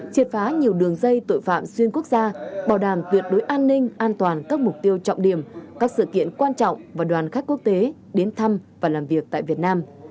triệt phá nhiều đường dây tội phạm xuyên quốc gia bảo đảm tuyệt đối an ninh an toàn các mục tiêu trọng điểm các sự kiện quan trọng và đoàn khách quốc tế đến thăm và làm việc tại việt nam